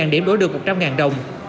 một mươi điểm đổi được một trăm linh đồng